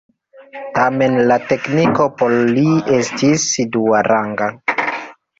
Tamen la tekniko por li estis duaranga.